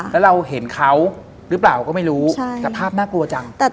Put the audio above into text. แล้วเราเห็นเขาหรือเปล่าก็ไม่รู้แต่ภาพน่ากลัวจัง